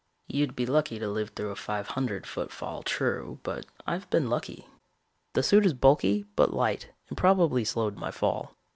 You'd be lucky to live through a five hundred foot fall, true, but I've been lucky. The suit is bulky but light and probably slowed my fall.